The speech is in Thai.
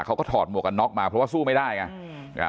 เขาก็ถอดหมวกกันน็อกมาเพราะว่าสู้ไม่ได้ไง